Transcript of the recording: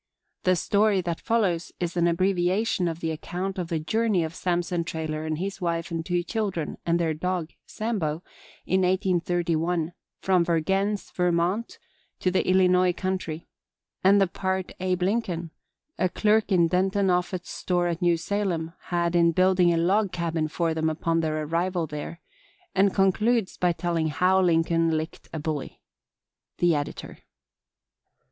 The story that follows is an abbreviation of the account of the journey of Samson Traylor and his wife and two children and their dog, Sambo, in 1831, from Vergennes, Vermont, to the Illinois country; and the part "Abe" Lincoln, a clerk in Denton Offut's store at New Salem, had in building a log cabin for them upon their arrival there; and concludes by telling how Lincoln licked a bully._ THE EDITOR.